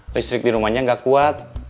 listrik di rumahnya nggak kuat